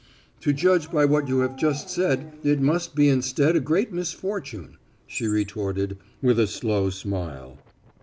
"To judge by what you have just said it must be instead a great misfortune," she retorted, with a slow smile.